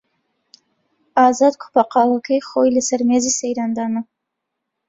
ئازاد کووپە قاوەکەی خۆی لەسەر مێزی سەیران دانا.